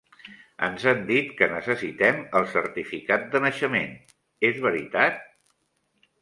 Ens han dit que necessitem el certificat de naixement, és veritat?